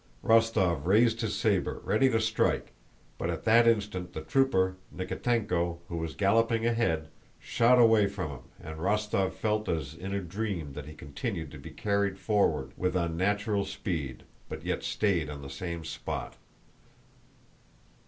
Rostóv raised his saber, ready to strike, but at that instant the trooper Nikítenko, who was galloping ahead, shot away from him, and Rostóv felt as in a dream that he continued to be carried forward with unnatural speed but yet stayed on the same spot.